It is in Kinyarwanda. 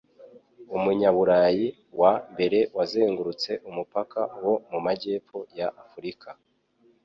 Umunyaburayi wa mbere yazengurutse umupaka wo mu majyepfo ya Afurika,